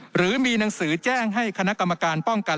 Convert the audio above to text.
หรือมีหนังสือแจ้งให้คณะกรรมการป้องกัน